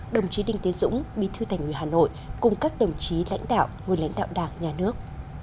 đồng chí đinh tiến dũng bí thư tành người hà nội cùng các đồng chí lãnh đạo người lãnh đạo đảng nhà nước